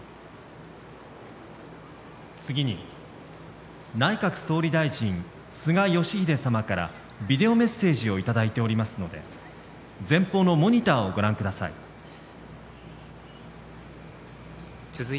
次に内閣総理大臣菅義偉様からビデオメッセージをいただいておりますので前方のモニターをご覧ください。